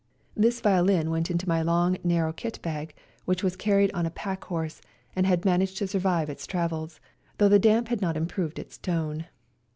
This violin went into my long, narrow kit bag, which was carried on a pack horse and had managed to survive its travels, though the damp had not improved its tone.